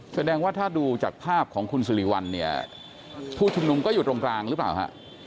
แสดงว่าถ้าดูจากภาพของคุณสิริวัลเนี่ยผู้ชุมนุมก็อยู่ตรงกลางหรือเปล่าฮะ